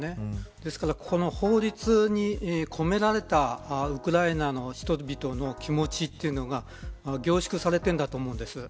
ですから、この法律に込められたウクライナの人々の気持ちというのが凝縮されているんだと思うんです。